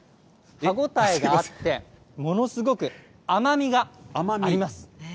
歯応えがあって、ものすごく甘みがあります。